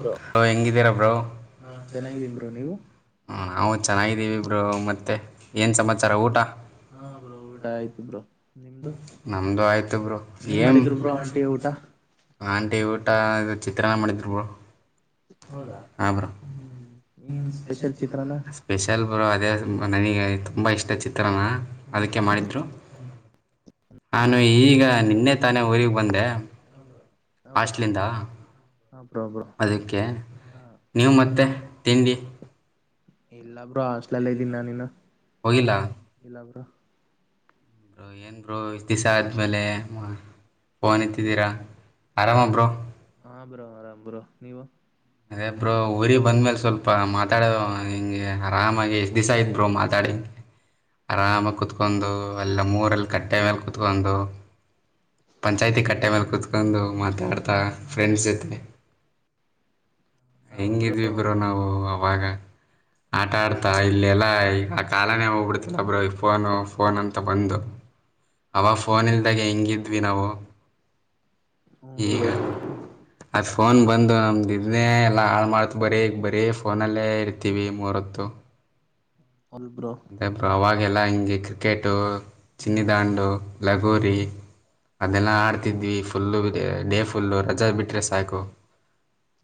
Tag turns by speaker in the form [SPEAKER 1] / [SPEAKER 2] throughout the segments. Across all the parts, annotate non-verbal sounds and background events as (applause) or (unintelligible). [SPEAKER 1] Bro
[SPEAKER 2] ಹ ಎಂಗಿದೀರಾ bro, ಹಾ ಚನಾಗಿದೀವ್ ಬ್ರೋ ನೀವು, ಹಾ ನಾವು ಚೆನ್ನಾಗಿದ್ದೀವಿ ಬ್ರೋ, ಮತ್ತೆ ಏನ್ ಸಮಾಚಾರ ಊಟ.
[SPEAKER 1] ಹಾ ಬ್ರೋ ಊಟ ಆಯ್ತು ಬ್ರೋ. ನಿಮ್ದು
[SPEAKER 2] ನಮ್ದು ಆಯ್ತು ಬ್ರೋ, ಏನ್
[SPEAKER 1] ಮಾಡಿದ್ರು ಬ್ರೋ ಆಂಟಿ ಊಟ
[SPEAKER 2] (inaudible) ಊಟ ಚಿತ್ರನ್ನ ಮಾಡಿದ್ರು ಬ್ರೋ.
[SPEAKER 1] ಹೌದಾ
[SPEAKER 2] ಹಾ ಬ್ರೋ,
[SPEAKER 1] ಹ್ಮ್ ಏನ್ ಸ್ಪೆಷಲ್ ಚಿತ್ರಾನ್ನ
[SPEAKER 2] ಸ್ಪೇಷಲ್ ಬ್ರೋ ಅದೇ ತುಂಬ ನನಗೆ ತುಂಬ ಇಷ್ಟ ಚಿತ್ರಾನ್ನ. ಅದಕ್ಕೆ ಮಾಡಿದ್ದರು. ನಾನು ಈಗ ನಿನ್ನೆ ತಾನೇ ಊರಿಗೆ ಬಂದೆ,
[SPEAKER 1] ಹಾ ಬ್ರೋ
[SPEAKER 2] ಹಾಸ್ಟ್ಲಿಂದ,
[SPEAKER 1] ಹಾ ಬ್ರೋ ಬ್ರೋ
[SPEAKER 2] ಅದಕ್ಕೆ
[SPEAKER 1] ಹಾ
[SPEAKER 2] ನೀವು ಮತ್ತೆ ತಿಂಡಿ?
[SPEAKER 1] ಇಲ್ಲಾಬ್ರೋ ಹಾಸ್ಟ್ಲಲ್ಲೆ ಇದ್ದೀನಿ, ನನ್
[SPEAKER 2] ಹೋಗಿಲ್ಲ
[SPEAKER 1] ಇಲ್ಲಾ ಬ್ರೋ.
[SPEAKER 2] ಬೋ ಏನು ಬ್ರೋ ಇಷ್ಟು ದಿವಿಸ ಆದ್ಮೇಲೆ ಫೋನ್ ಎತ್ತಿದ್ದೀರಾ ಆರಾಮ ಬ್ರೋ.
[SPEAKER 1] ಹಾ ಬ್ರೋ ಆರಾಮ್ ಬ್ರೋ ನೀವು?
[SPEAKER 2] ಅದೇ ಬ್ರೋ ಊರಿಗೆ ಬಂದಮೇಲೆ ಸ್ವಲ್ಪ ಮಾತಾಡೋ ಹಿಂಗೆ ಆರಾಮಾಗಿ ಎಷ್ಟು ದಿವಸ ಇದ ಬರು ಮಾತಾಡಿಗೆ ಆರಾಮಾಗಿ ಕುೂತ್ಕೊಂಡು ಎಲ್ಲ ಊರಲ್ಲಿ ಕಟ್ಟೆ ಮೇಲೆ ಕುತ್ಕೊಂಡು. ಪಂಚಾಯ್ತಿ ಕಟ್ಟೆ ಮೇಲೆ ಕುೂತ್ಕೊಂಡು ಮಾತಾಡ್ತಾ ಫ್ರೆಂಡ್ಸ್ ಜೊತೆ. ಹೆಂಗಿದ್ವಿ ಬ್ರೋ ನಾವು ಅವಾಗ. ಆ ಆಟಾಡ್ತಾ ಇಲ್ಲೆಲ್ಲಾ ಈಗ ಆ ಕಾಲನೇ ಹೋಗ್ಬಿಡ್ತಲ್ಲ ಬ್ರೋ, ಈ ಫೋನು ಫೋನ್ ಅಂತ ಬಂದು, ಅವಾಗ ಫೋನ್ ಇಲ್ದಾಗ ಹೆಂಗಿದ್ವಿ ನಾವು
[SPEAKER 1] ಹ್ಮ
[SPEAKER 2] ಈಗ
[SPEAKER 1] ಬ್ರೋ
[SPEAKER 2] ಅದ್ ಫೋನ್ ಬಂದು ನಮ್ದು ಎಲ್ಲ ಹಾಳು ಮಾಡ್ತ್ ಬರೀಗ್ ಬ ರೀ ಫೋನಲ್ಲೇ ಇರ್ತೀವಿ ಮೂರತ್ತು.
[SPEAKER 1] ಒಲ್ ಬ್ರೋ
[SPEAKER 2] ಹಾಗೆಲ್ಲ ಹಿಂಗೆ ಕ್ರಿಕೆಟು.
[SPEAKER 1] ಹ್ಮ್
[SPEAKER 2] ಚನ್ನಿದಾಂಡು
[SPEAKER 1] ಹ್ಮ್
[SPEAKER 2] ಲಗೋರಿ. ಅದೆಲ್ಲಾ ಆಡ್ತಿದ್ವಿ. Full day full. ಪುಲ್ಲು ರಜಾ ಬಿಟ್ರ ಸಾಕು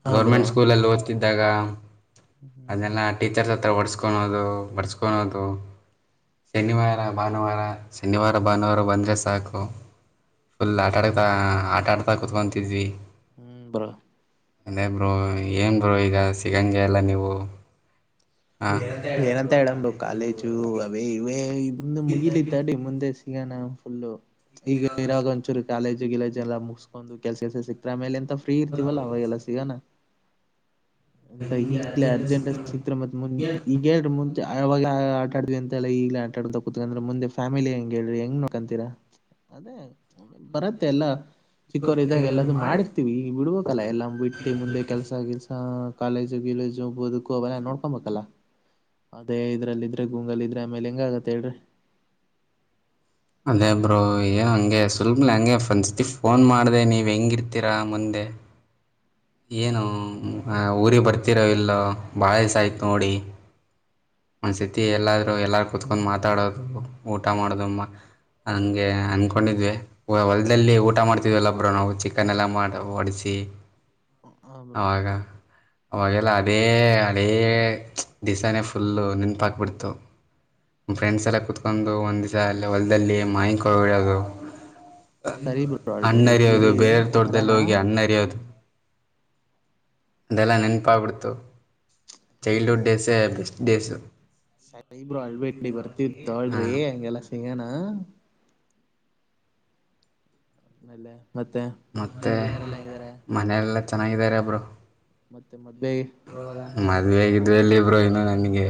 [SPEAKER 1] ಹಾ ಬ್ರೋ
[SPEAKER 2] ಗೌರ್ಮೆಂಟ್ ಸ್ಕೂಲ್ ಅಲ್ಲಿ ಓದ್ತಿದ್ದಾಗ
[SPEAKER 1] ಹ್ಮ್
[SPEAKER 2] ಒದು ಬರ್ಸ್ ಕತ್ಕಳೋದು ಶನಿವಾರ ಭಾನುವಾರ ಶನಿವಾರ ಭಾನುವಾರ ಬಂದರೆ ಸಾಕು ಫುಲ್ ಆಟ ಆಡ್ತಾ ಆಟ ಆಡ್ತಾ ಕುತ್ಕೊತಿದ್ವಿ.
[SPEAKER 1] ಹ್ಮ್ ಬ್ರೋ
[SPEAKER 2] ಅದೇ ಬ್ರೋ ಏನು ಬ್ರೋ ಈಗ ಸಿಗಂಗೆ ಎಲ್ಲ ನೀವು? ಹಾಂ
[SPEAKER 1] ಏನಂತ ಹೇಳದು ಕಾಲೇಜು ಅ ಇ ಒಂದು ಮುಗಿಲಿ ತಾಡಿ ಮುಂದೆ ಸಿಗ ನಾಫುಲ್ಲೋ ಈಗ ಇರಾಗ ಒಂಚೂರು ಕಾಲೇಜಿಗೆ ಗಲಜ್ ಲ್ಲ ಮುಗಸ್ಕೊಂಡು ಕೆಲ್ಸ (unintelligible) ಸಿಕ್ತಾರೆ ಆಮೇಲೆ ಫ್ರೀ ಇರ್ತಿವಲ್ಲ ಅವಾಗ ಎಲ್ಲ ಸಿಗಾನ ಅಂತ ಈಗ್ಲೇ ಅರ್ಜೆಂಟ್ ಸಿಕ್ರೆ ಮತ್ತ ಮುಂದ್ ಇಗೇನ್ ಮುಂದೆ ಯಾಗ (unintelligible) ಆ (unintelligible) ಅಂತೆ ಎಲ್ಲ ಈಗ್ಲ ಆಟಾಡಾ ಕೂತ್ಕಂದ್ರೆ ಮುಂದೆ ಫ್ಯಾಮಿಲಿ ಹೆಂಗ ಹೇಳ್ರಿ ಹೆಂಗ್ ನೋಕಂತೀರಾ ಅದೇ ಬರತ್ತೆ ಎಲ್ಲಾ ಚಿಕ್ಕವರು ಇದಾಗ ಎಲ್ಲದು (unintelligible) ಮಾಡಿರ್ತಿವಿ ಈ ಬಿಡ್ಬೇಕಲ್ಲ ಎಲ್ಲಾ ಬಿಟ್ಟು ಮುಂದೆ ಕೆಲ್ಸ ಗಿಲ್ಸ ಕಾಲೇಜು ಗಿಲೇಜು ಬದುಕು ಅವೆಲ್ಲ ನೋಡ್ಕೊಬೇಕಲ್ಲ ಅದೇ ಇದ್ರಲ್ಲ ಇದ್ರೆ ಗೂಂಗಲ್ ಇದ್ರೆ ಆಮೇಲೆ ಹೆಂಗ ಆಗತ್ತ ಹೇಳ್ರಿ
[SPEAKER 2] ಅದೇ ಬ್ರೋ (unintelligible) ಹಂಗೆ ಸುಲಭನೆ ಹಂಗೆ ಫ್ರಂಡಸತಿ ಫೋನ್ ಮಾಡಿದೆ ನೀವು ಹೆಂಗಿರ್ತೀರಾ ಮುಂದೆ ಏನು ಊರಿಗೆ ಬರ್ತಿರೋ ಇಲ್ಲೋ ಬಾಳ ದಿಸಾ ಆಯ್ತು ನೋಡಿ ಒಂದ್ಸತಿ ಎಲ್ಲಾದ್ರು ಎಲ್ಲಾರೂ ಕೂತ್ಕೊಂಡು ಮಾತಾಡೋರು ಊಟ ಮಾಡೋದುಮ್ಮ ಹಂಗೆ ಅನ್ಕೊಂಡಿದ್ವಿ ಒ ಹೊಲ್ದಲ್ಲಿ ಊಟ ಮಾಡ್ತಿದ್ವಲ್ಲ ಬ್ರೋ ನಾವು ಚಿಕನ್ ಎಲ್ಲ ಮಾಡ ಓಡಿಸಿ
[SPEAKER 1] ಹಾ
[SPEAKER 2] (unintelligible)
[SPEAKER 1] ಬ್ರೋ
[SPEAKER 2] ಅವಾಗ (unintelligible) (unintelligible) ಅದೇ ಅದೇ ದಿಸಾನೆ ಫುಲ್ಲು ನೆನ್ಪಾಕಿಬಿಡ್ತು ನಮ್ಮ ಫ್ರೆಂಡ್ಸ ಎಲ್ಲ ಕೂತ್ಕೊಂಡು ಒಂದು ದಿವಸ ಅಲ್ಲ ಹೊಲದಲ್ಲಿ ಮಾಯಕಡೋದು
[SPEAKER 1] ಸರಿ ಬ್ರೋ
[SPEAKER 2] (unintelligible)
[SPEAKER 1] ಅಳ್ಬೇಡಿ
[SPEAKER 2] ಅಣ್ಣರಿಯೋದು
[SPEAKER 1] ಬಿಡಿ
[SPEAKER 2] ಬೇರೆ
[SPEAKER 1] ಬರೋಣ
[SPEAKER 2] ತೋಟ್ದದಲ್ಲಿ ಹೋಗಿ ಹಣ್ಣ ಹರಿಯೋದು (unintelligible) ಅದೆಲ್ಲ ನೆನಪಾ ಆಗ್ಬಿಡ್ತು ಚೈಲ್ಡ್ಹುಡ್ ಡೇಸ್ ಹೆ ಬೆಸ್ಟ್ (unintelligible)
[SPEAKER 1] ಸ (unintelligible) ಇಬರು ಅಳ್ಬೇಡಿ ಬರ್ತಿದ ತಗೋಳ್ರಿ
[SPEAKER 2] ಹಾಂ
[SPEAKER 1] ಹಂಗೆಲ್ಲ (unintelligible) ಲ (unintelligible)
[SPEAKER 2] ಮತ್ತೆ ಮನೆಯಲ್ಲ (unintelligible) ಚೆನ್ನಾಗಿದ್ದಾರೆ ಬ್ರೋ
[SPEAKER 1] ಮತ್ತೆ ಮದುವೆ (unintelligible)
[SPEAKER 2] ಮದವೆ (unintelligible) ಎಲ್ಲಿ ಬ್ರೋ ಇನೋ (unintelligible) ನನಗೆ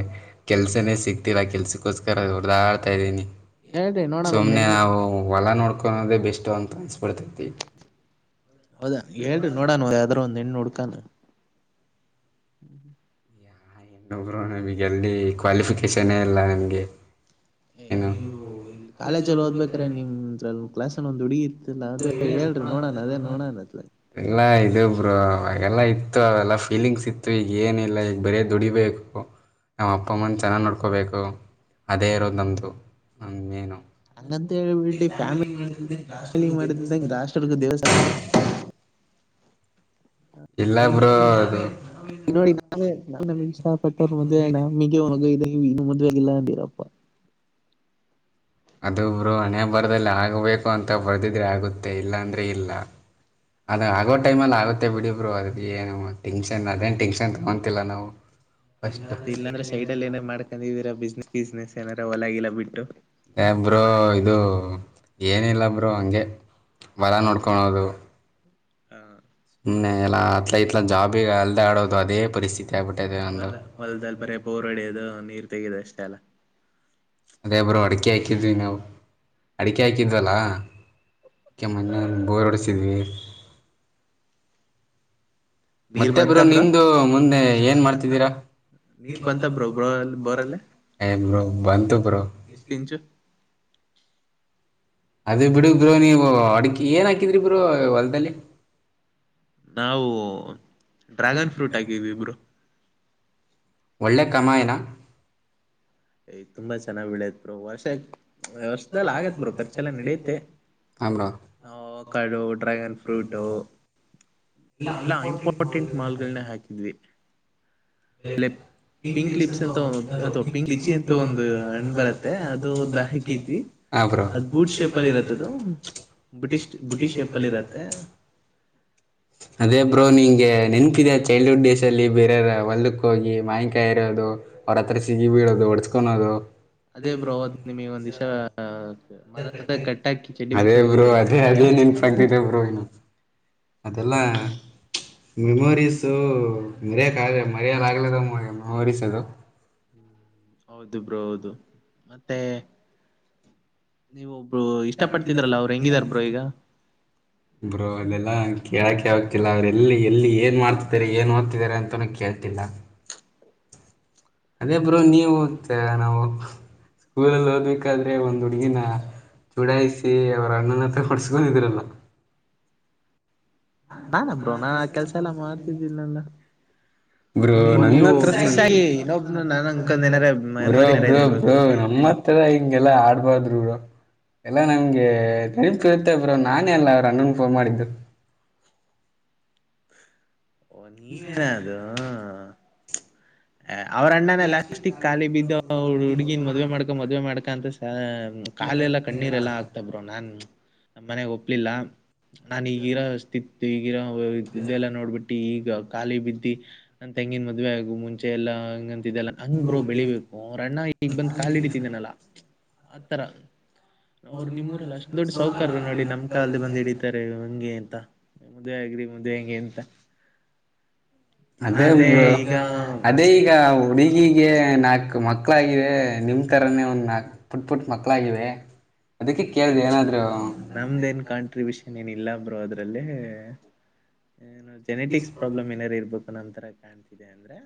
[SPEAKER 2] ಕೆಲ್ಸನೇ ಸಿಗ್ತಿಲ್ಲ (unintelligible) ಕೆಲ್ಸಕ್ಕೋಸ್ಕರ ಹೊಡ್ದಾಡ್ತ (unintelligible) ಇದ್ದೀನಿ
[SPEAKER 1] ಹೇಳ್ರಿ ನೋಡೋಣ ಒಂದ್
[SPEAKER 2] ಸುಮ್ನೆ
[SPEAKER 1] ಹೆಣ್ಣು
[SPEAKER 2] ನಾವು ಹೊಲ ನೋಡ್ಕ ಕೊನೊಡೆ ಬೆಸ್ಟ್ ಅಂತ ಅನ್ಸ್ (unintelligible)
[SPEAKER 1] ಹೌದಾ ಹೇಳ್ರಿ ನೋಡಣ ಯಾವ್ದ್ ಆದ್ರೂ ಒಂದ್ ಹೆಣ್ಣು ಹುಡ್ಕಾನ ಹ್ಮ್ ಹ್ಮ
[SPEAKER 2] (unintelligible) ಬ್ರೋ ನಮಗೆಲ್ಲಿ ಕ್ವಾಲಿಫಿಕೇಶನೇ ಇಲ್ಲ ನನಗೆ
[SPEAKER 1] ಏ
[SPEAKER 2] ಏನು
[SPEAKER 1] ಅನೀವು ಇಲ್ಲಿ ಕಾಲೇಜಲ್ಲಿ ಓದ್ಬೇಕ್ರೆ ನಿಮ ಕ್ಲಾಸ್ಲ್ಲಿ ಒಂದ್ ಹುಡಗಿ (unintelligible)
[SPEAKER 2] (inaudible)
[SPEAKER 1] ಅತ್ಲ
[SPEAKER 2] ಎಲ್ಲ ಆಯ್ತು ಇಬ್ರು ಅವಾಗೆಲ್ಲ ಇತ್ತು ಅವೆಲ್ಲ ಫೀಲಿಂಗ್ಸ್ ಇತ್ತು ಈಗ ಏನ ಇಲ್ಲ ಈಗ ಬರೇ ದುಡಿಬೇಕು ನಾವು ಅಪ್ಪಮ್ಮನ ಚೆನ್ನಾಗಿ ನೋಡ್ಕೋಬೇಕು ಅದೇ ಇರೋದು ನಂತ ನ ಮೇನು ಅ ಫಾಮ ಜಾಸ್ (inaudible)
[SPEAKER 1] ಮಾಡಿದಂಗಗೆಷ್ಟ್ರರ್ಗ ದೇವಸ್ಥಾನ ಒಬ್ಬರು
[SPEAKER 2] ಇಲ್ಲ ಬ್ರೋ ಅದು
[SPEAKER 1] ನೋಡಿ ನಾನೇ ನಮಗೆ ಇಷ್ಟಪಟ್ಟವ್ರ ಮದೆ ನಮಗೆ ಒಗ ಇ ಇನ್ನು ಮದೆ ಗಿಲ್ಲಾಂದೀರಪ್ಪ (unintelligible)
[SPEAKER 2] ಅದು ಬ್ರೋ ಹಣೆ ಬರದಲ್ಲಿ ಆಗಬೇಕು ಅಂತ ಬರೆದಿದ್ರೆ ಆಗುತ್ತೆ ಇಲ್ಲಾ ಅಂದ್ರೆ ಇಲ್ಲ ಅದ ಆಗೋ ಟೈಮ ಅಲ್ಲಿ ಆಗುತ್ತೆ ಬಿಡಿ ಬ್ರೋ ಅದ ಏನು ಟೆನ್ಷನ್ ಅದೇನ್ ಟೆನ್ಷನ್ ತಗೊಂತಿಲ್ಲ ನಾವು ಫಸ್ಟ್
[SPEAKER 1] ಮತ್ತ ಇದ್ರೆ ಸೈಡ್ ಅಲ್ಲಿ ಏನ ಮಾಡ್ಕೊಂಡಿದೀರ ಬಿಸ್ನೆಸ್ ಬಿಸ್ನೆಸ್ ಜನರ ಒಲಗಲ್ಲ ಬಿಟ್ಟು
[SPEAKER 2] ಬ್ರೋ ಇದು ಏನಿಲ್ಲ ಬ್ರೋ ಹಂಗೆ ಹೊಲ ನೋಡ್ಕೊಳೋದು
[SPEAKER 1] ಹಾ (inaudible)
[SPEAKER 2] ಹ್ಮ ಎಲ್ಲಾ ಅತ್ಲ ಇತ್ಲ ಜಾಬಿಗ ಅಲ್ದ ಆಡೋದು ಅದೇ ಪರಿಸ್ಥಿತಿ ಆಗ್ಬಿಟ್ಟಿದೆ ನಂದು
[SPEAKER 1] ಅಲ್ಲ ಹೊಲದಲ್ ಬರ ಬೋರ್ ಒಡೋದು ನೀರ್ ತೆೆಗೆದ ಅಷ್ಟೇ ಅಲ್ಲ
[SPEAKER 2] ಅದೇ ಬ್ರೋ ಅಡಿಕೆ ಹಾಕಿದ್ವಿ ನಾವು ಅಡಿಕೆ ಹಾಕಿದ್ವಲ್ಲ ಅಕೆ ಮೊನ್ನೆ ಬೋರ್ ಹೊಡಸಿದ್ವಿ
[SPEAKER 1] ನೀರ್
[SPEAKER 2] ಮತ್ತೆ
[SPEAKER 1] ಬಂತ
[SPEAKER 2] ಬ್ರೋ ನಿಮ್ದು ಮುಂದೆ ಏನ್ ಮಾಡ್ತಿದ್ದೀರಾ
[SPEAKER 1] ನೀರ್ ಬಂತ ಬ್ರೋ ಬ್ರೋ ಬೋರಲ್ಲಿ
[SPEAKER 2] ಏ ಬ್ರೋ ಬಂತು ಬ್ರೋ
[SPEAKER 1] ಎಷ್ಟ್ ಇಂಚು
[SPEAKER 2] ಅದೇ ಬಿಡು ಬ್ರೋ ನೀವು ಅಡ ಏನ್ ಹಾಕಿದ್ರಿ ಬ್ರೋ ಹೊಲ್ದಲ್ಲಿ
[SPEAKER 1] ನಾವು ಡ್ರ್ಯಾಗನ್ ಫ್ರೂಟ್ ಹಾಕಿದ್ವಿ ಬ್ರೋ
[SPEAKER 2] ಒಳ್ಳೆ ಕಮಾಯನ
[SPEAKER 1] ಯ್ ತುಂಬಾ ಚೆನ್ನಾಗಿ ಬೆಳಿಯತ್ ಪ್ರೋ ವರ್ಷ ವ್ಯವಸ್ಲ್ಲ ಆಗತ್ ಬ್ರೋ ಖರ್ಚೆಲ್ಲ ನಡೆಯತ್ತೆ
[SPEAKER 2] ಹಾಂ ಬ್ರೋ
[SPEAKER 1] ನಾವು ಒಕಾಡು ಡ್ರ್ಯಾಗನ್ ಫ್ರೂಟ ಎಲ್ಲಾ ಇಂಪಾರ್ಟೆಂಟ್ ಮಾಲ್ಗಳನೆ ಹಾಕಿದ್ವಿ ಅಲ್ಲೇ
[SPEAKER 2] (inaudible) (unintelligible)
[SPEAKER 1] ಕ್ಲಿಚಿ ಅಂತ ಒಂದು ಹಣ್ಣ್ ಬರತ್ತೆ ಅದು ಒ ಹಾಕಿದ್ವಿ
[SPEAKER 2] ಹಾಂ
[SPEAKER 1] ಅದ್ ಬೂಟ್ ಶೇಪ್ ಅಲ್ಲಿ ಇರತ್ತೆ ಅದು ಬುಟಿಶ್ ಬುಟಿಶ್ ಶೇಪ್ ಅಲ್ಲಿ ಇರತ್ತೆ
[SPEAKER 2] ಬ್ರೋ ಅದೇ ಬ್ರೋ ನಿಂಗೆ ನೆನ್ಪ ಚೈಲ್ಡ್ಹುಡ್ ಡೇಸ್ ಅಲ್ಲಿ ಬೇರೆಯವ ಒಲ್ದಕ್ಕ ಹೋಗಿ ಮಾಯನ್ಕಾಯಿ ಇರೋದು ಅವ್ರ ಹತ್ರ ಸಿಗಿ ಬೀಳೋದು ಒಡಸ್ಕೊದು
[SPEAKER 1] ಅದೇ ಬ್ರೋವತ್ ನಿಮಗೆ ಒಂದಿಷ
[SPEAKER 2] ಅದೇ ಬ್ರೋ ಅದೇ ಅದೇ ನೆನ್ಪಿದೆ ಬ್ರೋ ಇನ್ನು ಅದೆಲ್ಲ ಮೆಮೊರೀಸು ಮರೆಯಕ್ ಮರೆಯ ಮೆಮೊರಿಸ್ ಅದು
[SPEAKER 1] ಹ್ಮ ಹೌದು ಬ್ರೋ ಹೌದು ಮತ್ತೆ ನೀವು ಒಬ್ರು ಇಷ್ಟ ಪಡ್ತಿದ್ರಲ್ಲ ಅವ್ರು ಹೆಂಗಿದಾರ ಬ್ರೋ ಈಗ
[SPEAKER 2] ಬ್ರೋ ಇದೆಲ್ಲಾ ಕೇಳಕ್ಕೆೆ ಹೋಗ್ತಿಲ್ಲ ಅವ್ರು ಎಲ್ಲಿ ಎಲ್ಲಿ ಏನ್ ಮಾಡ್ತಿದ್ದಾರೆ ಏನ್ ಓದ್ತಿದಿದ್ದಾರೆ ಅಂತನ ಕೇಳ್ತಿಲ್ಲ ಅದೇ ಬ್ರೋ ನೀವು ನಾವು ಸ್ಕೂಲಲ್ಲಿ ಓದ್ಬೇಕಾದ್ರೆ ಒಂದು್ ಹುಡುಗಿನ ಚೂಡಾಯಿಸಿ ಅವರ ಅಣ್ಣನ ಹತ್ರ ಹೊಡ್ಸ್ಕೊಂಡಿದ್ರಲ್ಲ
[SPEAKER 1] ನಾನ್ಬ್ರು ನಾನ್ ಆ ಕೆಲ್ಸ ಎಲ್ಲಾ ಮಾಡ್ತಿದ್ದೀನಿ ನನ್ನ
[SPEAKER 2] ಬ್ರೋ ನನ್ನ ಹತ್ರ ಚ
[SPEAKER 1] ಆಗಿ ಇನ್ನೊಬ್ನ ನಾನ್ ಅನ್ಕೊಂಡ್ ಏನಾರ
[SPEAKER 2] ಬ್ರೋ
[SPEAKER 1] ಮೆಮೊರಿ ಏನಾರ
[SPEAKER 2] ಬ್ರೋ
[SPEAKER 1] ಇದೆ
[SPEAKER 2] ಬ್ರೋ
[SPEAKER 1] ಬಿಡಿ
[SPEAKER 2] ನಮ್ಮತ್ರ ಹಿಂಗೆಲ್ಲಾ ಆಡ್ಬಾರಾದ್ರು ಬ್ರೋ ಎಲ್ಲಾ ನಮ್ಗೆ ನೆನಪಿರುತ್ತಬರು ನಾನೇ ಅಲ್ಲ ಅವರು ಅಣ್ಣನ್ ಫೋನ್ ಮಾಡಿದರು
[SPEAKER 1] ಓ ನೀವೇನ ಅದು ಹ ಅವ್ರ ಅಣ್ಣನ ಎಲ್ಲಾಸ್ಟಿಕ್ ಖಾಲಿ ಬಿದ್ದು ಹುಡ್ಗಿನ್ ಮದ್ವೆ ಮಾಡ್ಕ ಮದ್ವೆ ಮಾಡ್ಕಂತ ಕಾಲ ಎಲ್ಲಾ ಕಣ್ಣೀರೆಲ್ಲಾ ಆಗ್ತಬ್ರೋ ನಾನ್ ನ ಮನೆಗ್ ಒಪ್ಲಿಲ್ಲ ನಾನ್ ಈಗಿರೋ ಸ್ಥಿತ್ ಈಗಿರೋ ಇದೆಲ್ಲ ನೋಡ್ಬಿಟ್ಟ ಈಗ ಖಾಲಿ ಬಿದ್ದಿ ನ ತೆಂಗಿನ ಮದ್ೆ ಆಗು ಮುಂಚೆ ಎಲ್ಲಾ ಲ್ಲ ಹಂಗ್ ಬ್ರೋ ಬೆಳಿಬೇಕು ಅಣ್ಣ ಈಗ್ ಬಂದ್ ಕಾಲ ಹಡಿತಿದ್ದನಲ್ಲಾ ಅಥರ ಅವ್ರು ನಿಮ್ಮ್ೂರಲ್ಲ ಅಷ್ಟ್ ದೊಡ್ಡ ಸೌಕಕಾರ್ಯ ನೋಡಿ ನಮ್ ಕಾಲಲ್ಲಿ ಬಂದ ಹಿಡೀಿತಾರೆ ಹಂಗೆ ಅಂತ ಮುದುವೆ ಆಗ್ರಿ ಮುದುವೆ ಹಂಗೆ ಅಂತ (inaudible) ಅದೇ
[SPEAKER 2] ಅದೇರು
[SPEAKER 1] ಈಗ
[SPEAKER 2] ಅದೇ ಈಗ ಹುಡುಗಿಗೆ ನಾ ಮಕ್ಕಳಾಗಿಾಗಿದೆ ನಿಮ್ ಈತರೇ ಒಂದು ನ ಪುಟ್ ಪುಟ್ ಮಕ್ಕಳಾಗಿವೆ ಅದಕ್ಕೆ ಕೇಳ್ದ ಏನಾದ್ರು
[SPEAKER 1] ನಮ್ದೇನ್ ಕಾಂಟ್ರಿಬ್ಯೂಷನ್ ಏನಿಲ್ಲ ರು ಅದ್ರಲ್ಲಿ ಏ ಜೆನೆಟಿಕ್ ಪ್ರಾಲಮ್ ಏನಾರು ಇರ್ಬೇಕು ನ ತರ ಕಾಣ್ತಿದೆ ಅಂದ್ರೆ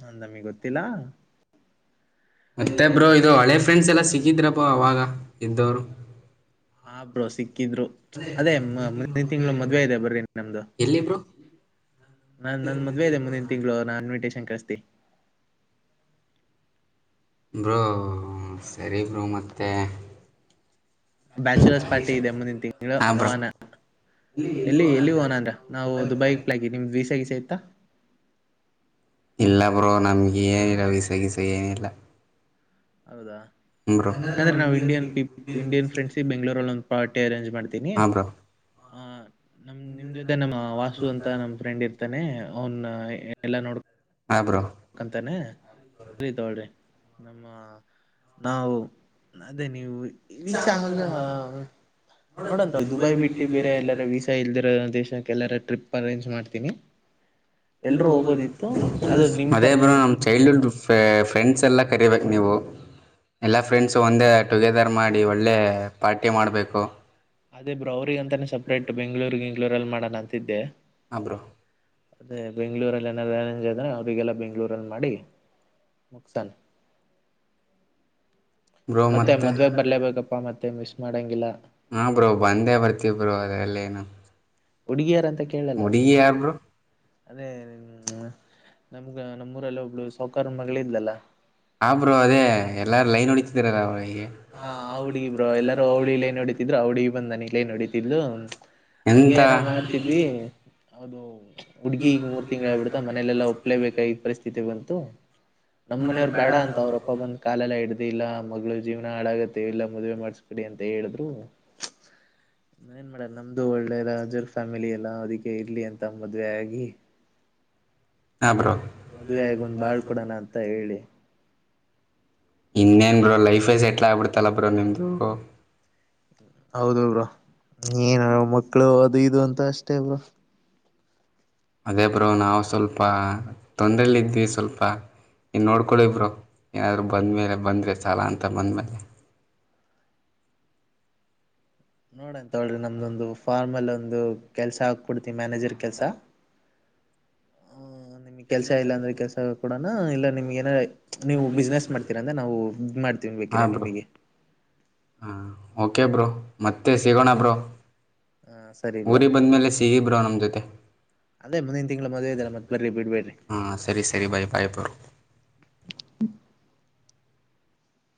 [SPEAKER 1] ನ ನಮಗೆ ಗೊತ್ತಿಲ್ಲ
[SPEAKER 2] ಮತ್ತೆಬ್್ರೋ
[SPEAKER 1] ಆಮೇಲೆ
[SPEAKER 2] ಇದು ಹಳೆ ಫ್ರೆಂಡ್ಸ್ ಎಲ್ಲಾ ಸಿಕ್ಕಿದ್ರಪ್ಪ ಅವಾಗ ಇಂದರು
[SPEAKER 1] ಹಬ್ರೋ ಸಿಕ್ಕಿದ್ರು ಅದೇ ಮುಂದಿನ ತಿಂಗಳು ಮದ್ವೆ ಇದೆ ಬರ್ರಿ ನಮ್ದು
[SPEAKER 2] ಎಲ್ಲಿ ಬ್ರೋ
[SPEAKER 1] ನ ನನ್ ಮದ್ವೆ ಇದೆ ಮುಂದಿನ ತಿಂಗಳು ನನ್ ಶಂಕಸ್
[SPEAKER 2] ಬ್ರೂ ಸರಿ ಬ್ರರು ಮತ್ತೆ
[SPEAKER 1] ಬ್ಯಾಚುಲರ್ಸ್ ಪಾರ್ಟಿ ಇದೆ ಮುಂದಿನ ತಿಂಗಳು
[SPEAKER 2] ಹಾ ಬ್ರೋ
[SPEAKER 1] ಹೋಣ ಎಲ್ಲಿ ಎಲ್ಲಿ ಹೋಣ ಅಂದ್ರ ನಾವು ದುಬೈ ಪ್ಲಕಿ ನಿಮ್ದ್ ವೀಸಗಸ ಆಯ್ತಾ
[SPEAKER 2] ಇಲ್ಲ ಬ್ರೋ ನಮ್ಗೆ ಏನಿಲ್ಲ ವೀಸ ಗೀಸ ಏನಿಲ್ಲ
[SPEAKER 1] ಹೌದಾ
[SPEAKER 2] ಬ್ರೋ
[SPEAKER 1] ಹಂಗಂದ್ರೆ ನಾವ್ ಇಂಡಿಯನ್ ಪ ಇಂಡಿಯನ್ ಫ್ರೆಂಡ್ಸಿಪ್ ಬೆಂಗ್ಗಳೂರಲ್ಲಿ ಒ್ ಪಾರ್ಟಿ ಅರೇಂಜ್ ಮಾಡ್ತೀನಿ
[SPEAKER 2] ಹಾ ಬ್ರೋ
[SPEAKER 1] ಆ ನಮ ನಿಮ್ ಜೊತೆ ನಮ್ಮ ವಾಸು ಅಂತ ನಮ್ ಫ್ರೆಂಡ್ ಇರ್ತಾನೆ ಅವನ್ ಎಲ್ಲ ನೋಡ್
[SPEAKER 2] ಹಾ ಬ್ರೋ
[SPEAKER 1] ಕಂತಾನೆ ರಿ ತಗಳ್ರಿ. ನಮ್ಮ ನಾವು ಅದೇ ನೀವು. ವೀಸಾ ಆ ನೋಡಂತ ದುಬೈ ಬಿಟ್ಟಿ ಬೇರೆ ಎಲ್ಲಾರ ವೀಸಾ ಇಲ್ದಿರ ದೇಶಕ್ಕೆ ಎಲ್ಲಾರ ಟ್ರಿಪ್ ಅರೇಂಜ್ ಮಾಡ್ತೀನಿ. ಎಲ್ರೂ ಹೋಗೋದಿತ್ತು ಅದು ನಿಮ್
[SPEAKER 2] (unintelligible) ಅದೇ ಬ್ರೋ
[SPEAKER 1] ತರನೇ
[SPEAKER 2] ನಮ್ಮ ಚೈಲ್ಡ್ಹುಡ್ ಫ್ರೆ ಫ್ರೆಂಡ್ಸ್ ಎಲ್ಲ ಕರಿಬೇಕ ನೀವು. ಎಲ್ಲಾ ಫ್ರೆಂಡ್ಸ ಒಂದೇ. ಟುಗೆದರ್ ಮಾಡಿ ಒಳ್ಳೆ ಪಾರ್ಟಿ. ಪಟ್ಟಿ ಮಾಡಬೇಕು.
[SPEAKER 1] ಅದೇ ಬ್ರೋ ಅವ್ರಿಗ ಅಂತಾನೇ ಸಪ್ರೇಟ್ ಬೆಂಗಳೂರ್ ಗಿಂಗ್ಳೂರಲ್ಲಿ ಮಾಡಣ ಅಂತಿದ್ದೆ.
[SPEAKER 2] ಹ ಬ್ರೋ.
[SPEAKER 1] ಅದೇ ಬೆಂಗ್ಳೂರಲ್ಲಿ ಏನಾದ್ರ ಅರೆಂಜ್ ಆದ್ರೆ ಅವ್ರಿಗೆಲ್ಲ ಬೆಂಗ್ಳೂರಲ್ಲಿ ಮಾಡಿ ಮುಕ್ಸಾನ್. ಮತ್ತೆ ಮದ್ವೆಗ್ ಬರ್ಲೇಬೇಕಪ್ಪಾ ಮತ್ತೆ ಮಿಸ್ ಮಾಡಂಗಿಲ್ಲ.
[SPEAKER 2] ಹಾಂ ಬ್ರೋ ಬಂದೇ ಬರ್ತೀವಿ ಬ್ರೋ ಅದರಲ್ಲೇನು
[SPEAKER 1] ಹುಡುಗಿಯರಂತ
[SPEAKER 2] ಹುಡುಗಿ ಯಾರ್ ಬ್ರೋ.
[SPEAKER 1] ಅದೇ ನಮ್ಗ ನಮ್ಮೂರಲ್ಲ ಒಬ್ಳು ಸೌಕಾರ ಮಗಳ ಇದ್ಲಲ್ಲ.
[SPEAKER 2] ಆ ಬ್ರೋ ಅದೇ ಎಲ್ಲಾರು ಲೈನ್ ಹೊಡಿ ದ್ರಲ್ಲಾ ಅವಳ್
[SPEAKER 1] ಹಾ ಆ ಹುಡ್ಗಿ ಬ್ರೋ ಎಲ್ಲಾರು ಅವಳಿ ಲೈನ್ ಹೊಡಿತಿದ್ರು ಆ ಹುಡ್ಗಿ. ಬಂದ ನಂಗ್ ಲೈನ್ ಹೊಡಿತಿದ್ಲು. ಹಂಗೆ
[SPEAKER 2] ಎಂತ
[SPEAKER 1] ಏನೋ ಮಾಡ್ತಿದ್ವಿ. ಹೌದು. ಹುಡ್ಗಿ ಈ ಮೂರ್ ತಿಂಗ್ಗಳ ಆ ಬಡ್ತಾ ಮನೆಲೆಲ್ಲ ಒಪ್ಲೇಬೇಕ ಆದ್ ಪರಿಸ್ಥಿತಿ ಬ ತ್ತು. ನಮ್ಮ ಮನೆಯವ್ರ ಬೇಡ ಅಂತ ಅವ್ರಪ್ಪ ಬಂದ ಕಾಲೆಲ್ಲ ಹಿಡ ಇಲ್ಲ ಮಗಳು ಜೀವನ ಹಾಳಾಗತ್ತೆ ಇಲ್ಲ ಮದ್ವೆ ಮಾಡಸ್ಬಿಡಿ ಅಂತ ಹೇಳಿದ್ರು ಏನ್ ಮಾಡ ನಮ್ದು ಒಳ್ಳೆ ರಾಜರ ಫ್ಯಾಮಿಲಿ ಎಲ್ಲ ಅದಕ್ಕೆ ಇರಲಿ ಅಂತ ಮದ್ವೆ ಆಗಿ.
[SPEAKER 2] ಹಾ ಬ್ರೋ
[SPEAKER 1] ಮದ್ವೆ ಆಗ ಒಂದ್ ಬಾಳ್ ಕೊಡೋಣ ಅಂತ ಹೇಳಿ.
[SPEAKER 2] ಇನ್ನೇನ್ ಬ್ರೋ ಲೈಫ ಸೆಟ್ಲ್ ಆಗ್ಬಿಡ್ತಲ್ಲ ಬ್ರೋ ನಿಮ್ದು.
[SPEAKER 1] ಹೌದು ಬ್ರೋ ಏನ ಮಕ್ಕಳು ಅದು ಇದು ಅಂತ ಅಷ್ಟೇ ಬ್ರೋ.
[SPEAKER 2] ಅದೇ ಬ್ರೋ ನಾವು ಸ್ವಲ್ಪ ತೊಂದ್ರೆಯಲ್ಲಿ ಇದ್ವಿ ಸ್ವಲ್ಪ ಇನ್ ನೋಡ್ಕೊಳ್ಳಿ ಬ್ರೋ ಏನಾದ್ರು ಬಂದ್ಮೇಲೆ ಬಂದ್ರೆ ಸಾಲ ಅಂತ ಬಂದ್ಮೇಲೆ.
[SPEAKER 1] ನೋಡಣ. ಲ್ರಿ ನಮ್ದ ಒಂದು ಫಾರ್ಮಲ್ಲ ಒಂದು ಕೆಲ್ಸ ಹಾಕಬಿಡ್ತೀನಿ ಮ್ಯಾನೇಜರ್ ಕೆಲ್ಸ ಹ ನಿಮ್ಗ್ ಕೆಲ್ಸ ಇಲ್ಲಾ ಅಂದ್ರೆ ಕೆಲ್ಸ ಕೊಡೋಣ ಇಲ್ಲ ನಿಮ್ಗೆ ಏನ ನೀವು ಬಿಸ್ನೆಸ್ ಮಾಡ್ತೀರ ಅಂದ್ರೆ ನಾವು ಮಾಡ್ತೀವಿ ಬೇಕಿರಾ
[SPEAKER 2] ಹಾಂ ಬ್ರೋ
[SPEAKER 1] ನಿಮಗೆ
[SPEAKER 2] ಹಾಂ ಓಕೆ ಬ್ರೋ ಮತ್ತೆ ಸಿಗೋಣ ಬ್ರೋ
[SPEAKER 1] ಹ ಸರಿ ಬ್ರೋ
[SPEAKER 2] ಊರಿಗೆ ಬಂದ್ಮೇಲೆ ಸಿಗಿ ಬ್ರೋ ನಮ್ಮ ಜೊತೆ
[SPEAKER 1] ದಿಂನಾ ತಿಂಗಳು ಮದುವೆ ಇದೆ ಮತ್ ಬರ್ರಿ ಬಿಡ್ಬೇಡ್ರಿ
[SPEAKER 2] ಹಾ ಸರಿ ಸರಿ ಬಾಯ್ ಬಾಯ್ ಬ್ರೋ
[SPEAKER 1] (inaudible)